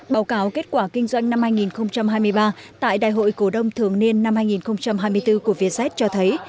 báo cáo kết quả kinh doanh năm hai nghìn hai mươi ba tại đại hội cổ đông thường niên năm hai nghìn hai mươi bốn của vietjet cho thấy